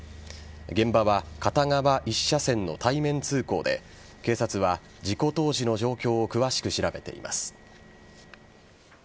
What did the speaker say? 現場は片側１車線の対面通行で警察は事故当時の状況を詳しく調べています。